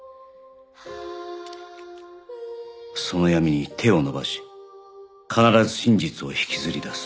その闇に手を伸ばし必ず真実を引きずり出す